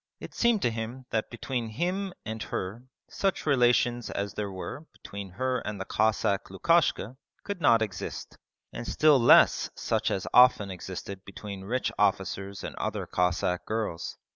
It seemed to him that between him and her such relations as there were between her and the Cossack Lukashka could not exist, and still less such as often existed between rich officers and other Cossack girls.